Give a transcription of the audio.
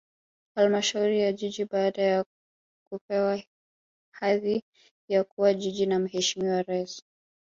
Halmashauri ya Jiji baada ya kupewa hadhi ya kuwa Jiji na Mheshimiwa Rais